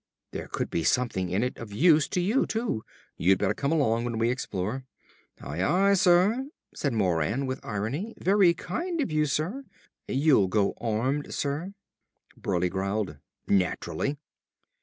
There could be something in it of use to you, too. You'd better come along when we explore." "Aye, aye, sir," said Moran with irony. "Very kind of you, sir. You'll go armed, sir?" Burleigh growled; "Naturally!"